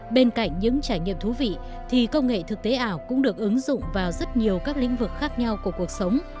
bên cạnh những trải nghiệm thú vị thì công nghệ thực tế ảo cũng được ứng dụng vào rất nhiều các lĩnh vực khác nhau của cuộc sống